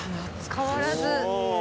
変わらず。